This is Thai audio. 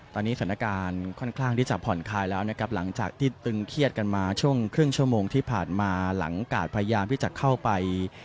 ตอนนี้สถานการณ์ค่อนข้างที่จะผ่อนคลายแล้วนะครับหลังจากที่ตึงเครียดกันมาช่วงครึ่งชั่วโมงที่ผ่านมาหลังกาดพยายามที่จะเข้าไป